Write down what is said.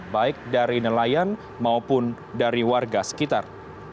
baik dari nelayan maupun dari warga sekitar